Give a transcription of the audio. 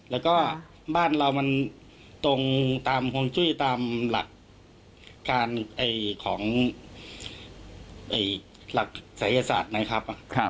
แล้วก็บ้านเรามันตรงตามฮงจุ้ยตามหลักศัยศาสตร์ไหมครับ